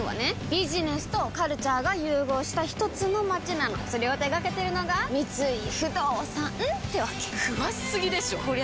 ビジネスとカルチャーが融合したひとつの街なのそれを手掛けてるのが三井不動産ってわけ詳しすぎでしょこりゃ